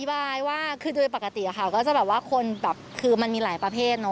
อธิบายว่าคือโดยปกติค่ะก็จะแบบว่าคนคือมันมีหลายประเภท